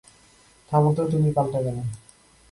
থামো তো, তুমি পাল্টাবে না।